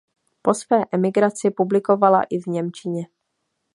Po své emigraci publikovala i v němčině.